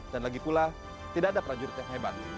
lagi pula tidak ada prajurit yang hebat